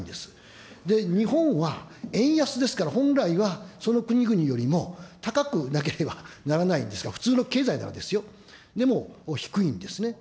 日本は、円安ですから、本来はその国々よりも、高くなければならないんですが、普通の経済ならですよ、でも低いんですね。